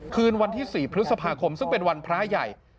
คืนวันที่๔พฤษภาคมซึ่งเป็นวันพระใหญ่